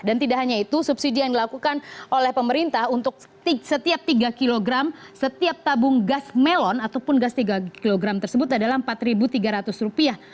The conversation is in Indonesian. dan tidak hanya itu subsidi yang dilakukan oleh pemerintah untuk setiap tiga kg setiap tabung gas melon ataupun gas tiga kg tersebut adalah empat tiga ratus rupiah